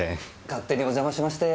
勝手にお邪魔しまして。